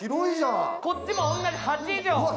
こっちも同じ８畳。